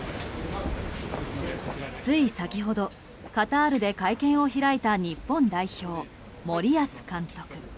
つい先ほどカタールで会見を開いた日本代表、森保監督。